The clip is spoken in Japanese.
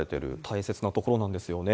大切なところなんですよね。